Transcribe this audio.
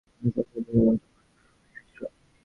কারণ স্বপ্নটা দেখে মনটা বড়ই খারাপ হয়ে গিয়েছিল।